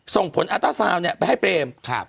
ส่งผลอัตเตอร์ซาวเนี้ยไปให้เปรมครับ